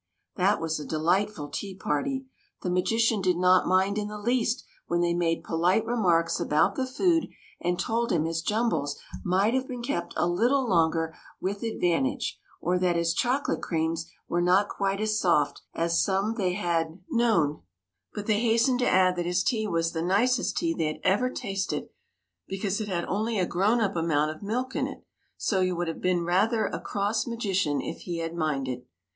That was a delightful tea party. The magi cian did not mind in the least when they made polite remarks about the food and told him his jumbles might have been kept a little longer with advantage, or that his chocolate creams were not quite so soft as some they had 38 THE MAGICIAN'S TEA PARTY known. But they hastened to add that his tea was the nicest tea they had ever tasted because it had only a grown up amount of milk in it, so he would have been rather a cross magician if he had minded.